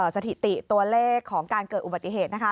สถิติตัวเลขของการเกิดอุบัติเหตุนะคะ